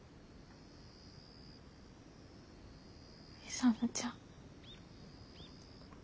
勇ちゃん。